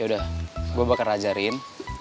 yaudah gue bakal ajarin